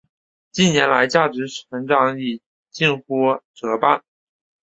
近年来价值成长已经几乎折半。